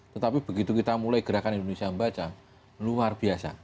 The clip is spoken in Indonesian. tetapi begitu kita mulai gerakan indonesia membaca luar biasa